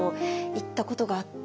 行ったことがあって。